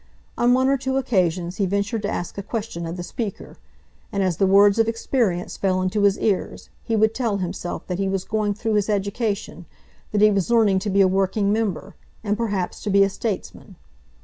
On one or two occasions he ventured to ask a question of the Speaker, and as the words of experience fell into his ears, he would tell himself that he was going through his education, that he was learning to be a working member, and perhaps to be a statesman.